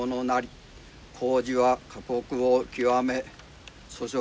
工事は過酷を極め粗食